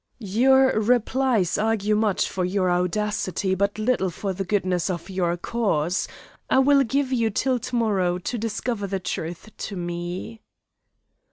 "Your replies argue much for your audacity, but little for the goodness of your cause. I will give you till to morrow to discover the truth to me."